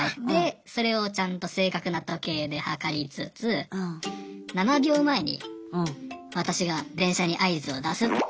それをちゃんと正確な時計で計りつつ７秒前に私が電車に合図を出す。